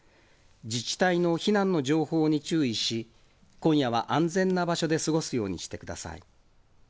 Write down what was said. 自治体の避難の情報に注意し、今夜は安全な場所で過ごすようにしてください。